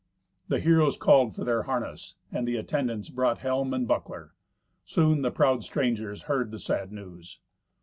The heroes called for their harness, and the attendants brought helm and buckler. Soon the proud strangers heard the sad news.